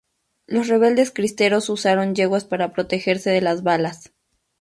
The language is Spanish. Los rebeldes cristeros usaron yeguas para protegerse de las balas.